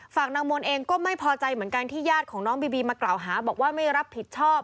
นางมนต์เองก็ไม่พอใจเหมือนกันที่ญาติของน้องบีบีมากล่าวหาบอกว่าไม่รับผิดชอบ